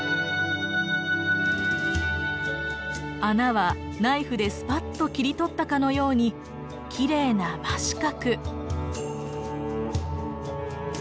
穴はナイフでスパッと切り取ったかのようにきれいな真四角。